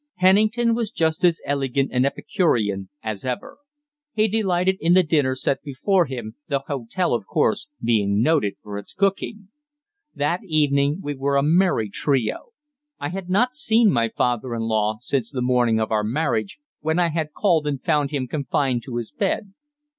Pennington was just as elegant and epicurean as ever. He delighted in the dinner set before him, the hotel, of course, being noted for its cooking. That evening we were a merry trio. I had not seen my father in law since the morning of our marriage, when I had called, and found him confined to his bed.